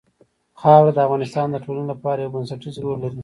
خاوره د افغانستان د ټولنې لپاره یو بنسټيز رول لري.